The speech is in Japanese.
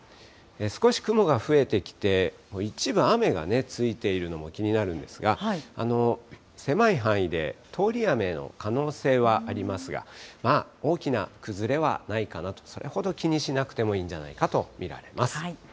少し雲が増えてきて、一部雨がね、ついているのも気になるんですが、狭い範囲で通り雨の可能性はありますが、まあ大きな崩れはないかなと、それほど気にしなくてもいいんじゃないかと見られます。